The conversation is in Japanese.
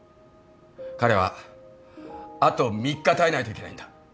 彼はあと３日耐えないといけないんだ。